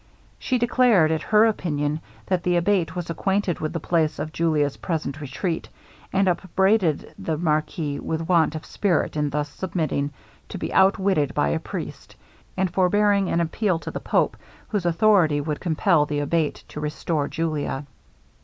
She declared it her opinion, that the Abate was acquainted with the place of Julia's present retreat, and upbraided the marquis with want of spirit in thus submitting to be outwitted by a priest, and forbearing an appeal to the pope, whose authority would compel the Abate to restore Julia.